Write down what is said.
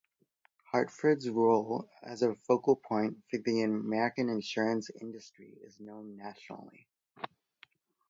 Hartford's role as a focal point for the American insurance industry is known nationally.